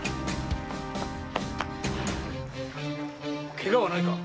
ケガはないか？